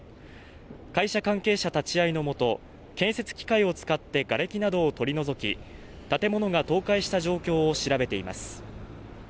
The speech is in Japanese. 会社関係者立ち会いのもと建設機械を使ってがれきなどを取り除き建物が倒壊した状況を調べています